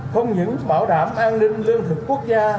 không những bảo đảm an ninh lương thực quốc gia